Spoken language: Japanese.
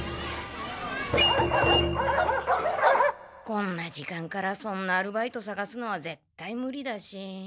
こんな時間からそんなアルバイトさがすのはぜったいムリだし。